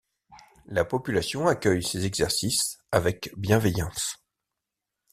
La population accueille ces exercices avec bienveillance.